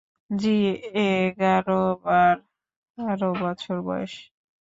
জ্বি, এগার-বার বছর বয়স।